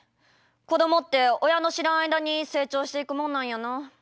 子どもって親の知らん間に成長していくもんなんやな。